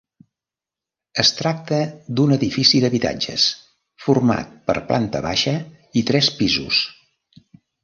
Es tracta d'un edifici d'habitatges format per planta baixa i tres pisos.